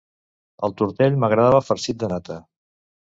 El tortell m'agrada farcit de nata.